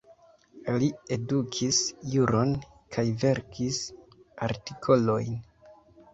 Li edukis juron kaj verkis artikolojn.